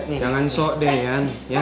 jangan sok deh ian